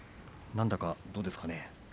なんだか、どうですかね。